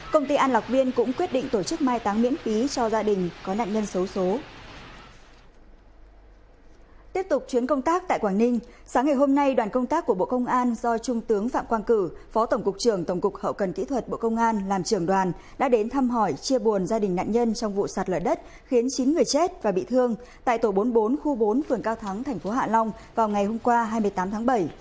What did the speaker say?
công tác của bộ công an do trung tướng phạm quang cử phó tổng cục trưởng tổng cục hậu cần kỹ thuật bộ công an làm trưởng đoàn đã đến thăm hỏi chia buồn gia đình nạn nhân trong vụ sạt lở đất khiến chín người chết và bị thương tại tổ bốn mươi bốn khu bốn phường cao thắng tp hạ long vào ngày hôm qua hai mươi tám tháng bảy